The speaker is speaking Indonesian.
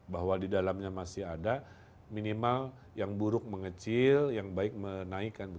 bahwa di dalamnya masih ada minimal yang buruk mengecil yang baik menaikkan